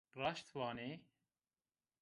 Raşt vanî.